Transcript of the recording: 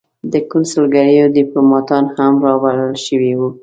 د کنسلګریو دیپلوماتان هم را بلل شوي وو.